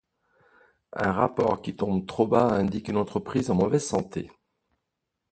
Un rapport qui tombe trop bas indique une entreprise en mauvaise santé.